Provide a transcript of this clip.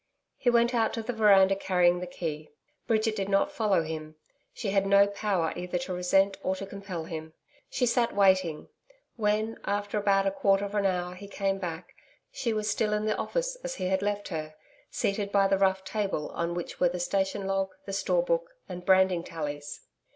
He went out to the veranda carrying the key. Bridget did not follow him. She had no power either to resent or to compel him. She sat waiting. When, after about a quarter of an hour, he came back, she was still in the office as he had left her, seated by the rough table on which were the station log, the store book, and branding tallies.